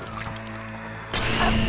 あっ！